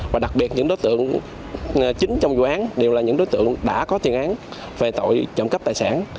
và đặc biệt những đối tượng chính trong vụ án đều là những đối tượng đã có thiền án về tội trọng cấp tài sản